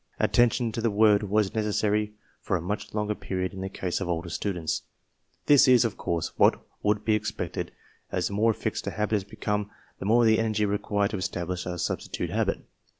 Attention to the word was necessary for a much longer period in the case of older students. This is, of course, what would be expected, as the more fixed a habit has become the more the energy required to establish a substitute habit.